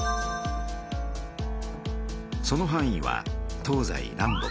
そのはん囲は東西南北